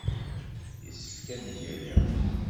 Yessefk ad neg aya.